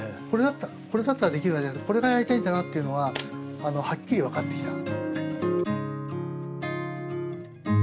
これだったらできるなじゃなくてこれがやりたいんだなっていうのははっきり分かってきた。